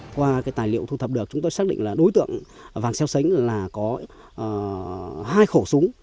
qua cái tài liệu thu thập được chúng tôi xác định là đối tượng vàng xeo xánh là có hai khẩu súng